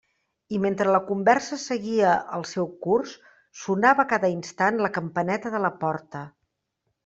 I mentre la conversa seguia el seu curs, sonava a cada instant la campaneta de la porta.